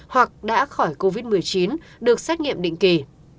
hoặc đã khỏi covid một mươi chín được xét nghiệm định kỳ